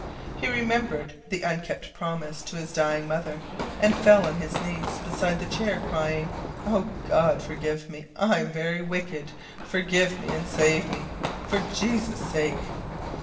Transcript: He remembered the unkept promise to his dying mother, and fell on his knees beside the chair, crying: "O God, forgive me! I am very wicked. Forgive me and save me, for Jesus' sake!